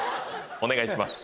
お願いします。